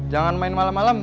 jangan main malam malam